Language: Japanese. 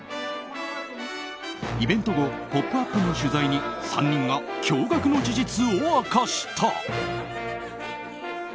イベント後「ポップＵＰ！」の取材に３人が驚愕の事実を明かした。